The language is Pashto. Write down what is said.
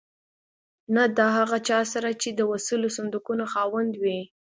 نه د هغه چا سره چې د وسلو صندوقونو خاوند وي.